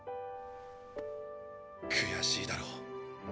悔しいだろ。